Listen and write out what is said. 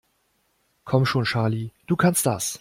Komm schon, Charlie, du kannst das!